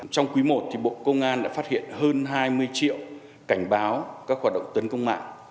trong quý i bộ công an đã phát hiện hơn hai mươi triệu cảnh báo các hoạt động tấn công mạng